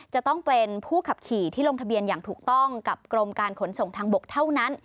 จะต้องเป็นผู้ขับขี่ที่ลงทะเบียนอย่างถูกต้องกับกรมการขนส่งทางบกเท่านั้น